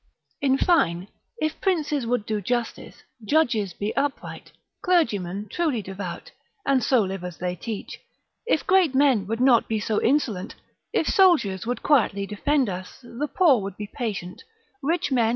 In fine, if princes would do justice, judges be upright, clergymen truly devout, and so live as they teach, if great men would not be so insolent, if soldiers would quietly defend us, the poor would be patient, rich men.